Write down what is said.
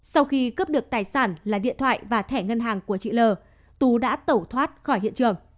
sau khi cướp được tài sản là điện thoại và thẻ ngân hàng của chị l tú đã tẩu thoát khỏi hiện trường